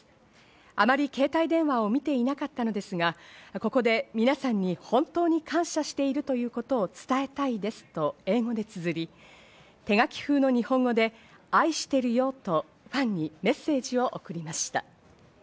あまり携帯電話を見ていなかったのですが、ここで皆さんに本当に感謝しているということを伝えたいです、と英語で綴り、手書きふうの日本語で、「あいしてるよー」とファンにメッセージを送りました。